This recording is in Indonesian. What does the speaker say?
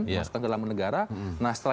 dimasukkan ke dalam negara nah setelah